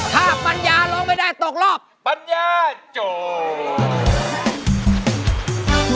ถ้าปัญญาร้องไม่ได้ตกรอบปัญญาโจทย์